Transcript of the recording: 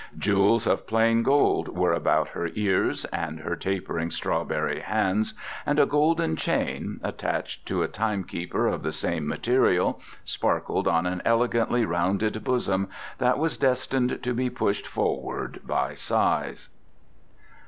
Jewels of plain gold were about her ears and her tapering strawberry hands, and a golden chain, attached to a time keeper of the same material, sparkled on an elegantly rounded bosom that was destined to be pushed forward by sighs.